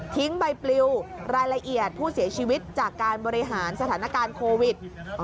ใบปลิวรายละเอียดผู้เสียชีวิตจากการบริหารสถานการณ์โควิด